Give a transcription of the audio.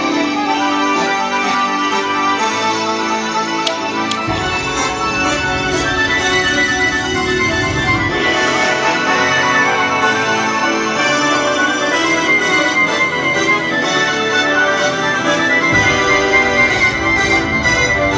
นั่นแหละ